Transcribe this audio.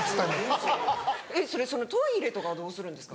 ・それそのトイレとかどうするんですか？